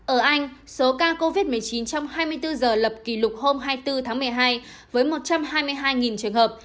ở anh số ca covid một mươi chín trong hai mươi bốn giờ lập kỷ lục hôm hai mươi bốn tháng một mươi hai với một trăm hai mươi hai trường hợp